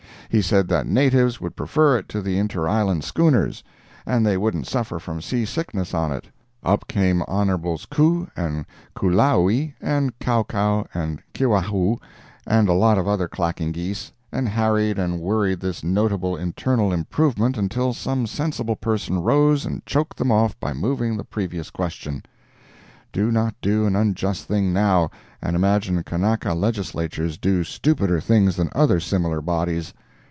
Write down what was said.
He said that natives would prefer it to the interisland schooners, and they wouldn't suffer from sea sickness on it. Up came Honorables Ku and Kulaui, and Kowkow and Kiwawhoo and a lot of other clacking geese, and harried and worried this notable internal improvement until some sensible person rose and choked them off by moving the previous question. Do not do an unjust thing now, and imagine Kanaka Legislatures do stupider things than other similar bodies.